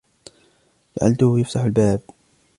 جعلته يفتح الباب.